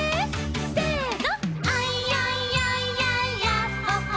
せの！